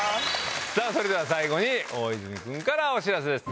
それでは最後に大泉君からお知らせです。